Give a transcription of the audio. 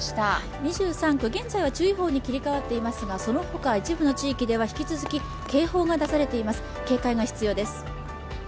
２３区、現在は注意報に切り替わっていますが、その他一部の地域では引き続き警報が出されています、警戒が必要です。